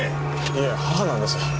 いえ母なんです。